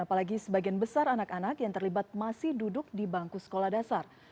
apalagi sebagian besar anak anak yang terlibat masih duduk di bangku sekolah dasar